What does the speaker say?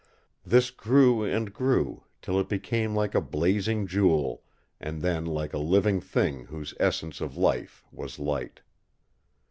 This grew and grew, till it became like a blazing jewel, and then like a living thing whose essence of life was light.